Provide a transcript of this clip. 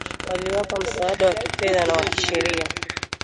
wakiwapa msaada wa kifedha na wa kisheria